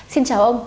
xin chào ông